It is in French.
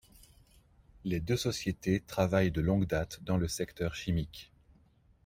Les deux sociétés travaillent de longue date dans le secteur chimique.